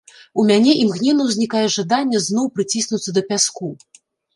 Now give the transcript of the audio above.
У мяне імгненна ўзнікае жаданне зноў прыціснуцца да пяску.